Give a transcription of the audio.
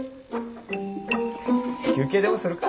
休憩でもするか。